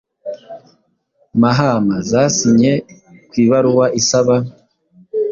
Mahama zasinye ku ibaruwa isaba